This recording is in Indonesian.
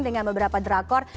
dengan beberapa drakor